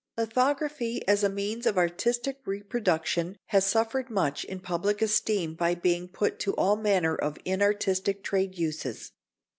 ] Lithography as a means of artistic reproduction has suffered much in public esteem by being put to all manner of inartistic trade uses.